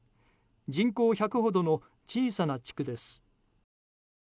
人口１００ほどの小さな地区です。